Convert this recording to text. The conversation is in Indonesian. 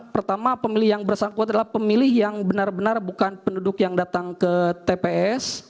pertama pemilih yang bersangkutan adalah pemilih yang benar benar bukan penduduk yang datang ke tps